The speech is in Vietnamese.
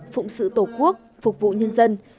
phụng sự tổ quốc phục vụ nhân dân